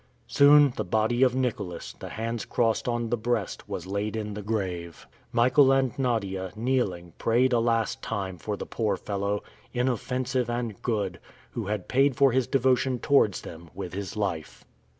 Soon, the body of Nicholas, the hands crossed on the breast, was laid in the grave. Michael and Nadia, kneeling, prayed a last time for the poor fellow, inoffensive and good, who had paid for his devotion towards them with his life.